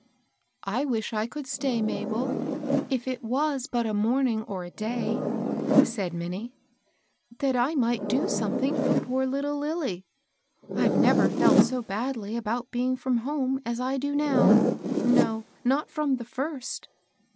^^I wish I could stay^ Mabel, if it was but a morning or a day," said Minnie, " that I might do something for poor little Lilly. I've never felt so badly about being from home as I do now, — no, n^t from the first."